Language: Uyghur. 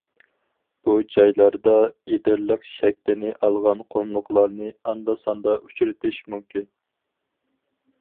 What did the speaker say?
بۇ جايلاردا ئېدىرلىق شەكلىنى ئالغان قۇملۇقلارنى ئاندا-ساندا ئۇچرىتىش مۇمكىن.